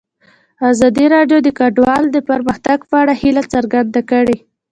ازادي راډیو د کډوال د پرمختګ په اړه هیله څرګنده کړې.